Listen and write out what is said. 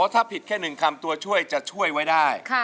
ถ้าผิดแค่๑คำตัวช่วยจะช่วยไว้ได้